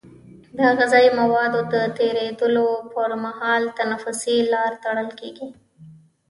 د غذایي موادو د تیرېدلو پر مهال تنفسي لاره تړل کېږي.